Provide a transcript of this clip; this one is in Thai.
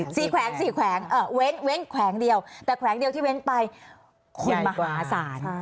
แขวงสี่แขวงเอ่อเว้นเว้นแขวงเดียวแต่แขวงเดียวที่เว้นไปคนมหาศาล